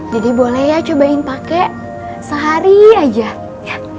dede boleh ya cobain pake sehari aja ya